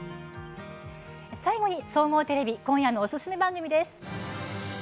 最後に、総合テレビ今夜のおすすめ番組です。